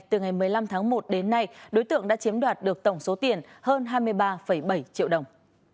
từ ngày một mươi năm tháng một đến nay đối tượng đã chiếm đoạt được tổng số tiền hơn hai mươi ba bảy triệu đồng